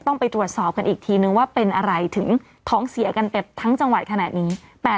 ต้องไปตรวจสอบกันอีกทีนึงว่าเป็นอะไรถึงท้องเสียกันเต็มทั้งจังหวัดขนาดนี้